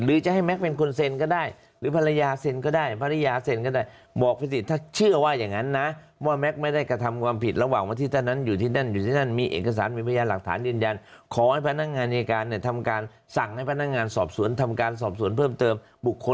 จะให้แก๊กเป็นคนเซ็นก็ได้หรือภรรยาเซ็นก็ได้ภรรยาเซ็นก็ได้บอกไปสิถ้าเชื่อว่าอย่างนั้นนะว่าแม็กซ์ไม่ได้กระทำความผิดระหว่างวันที่ท่านนั้นอยู่ที่นั่นอยู่ที่นั่นมีเอกสารมีพยานหลักฐานยืนยันขอให้พนักงานอายการเนี่ยทำการสั่งให้พนักงานสอบสวนทำการสอบสวนเพิ่มเติมบุคคล